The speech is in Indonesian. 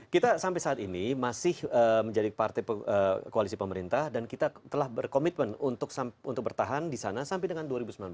kita sampai saat ini masih menjadi partai koalisi pemerintah dan kita telah berkomitmen untuk bertahan di sana sampai dengan dua ribu sembilan belas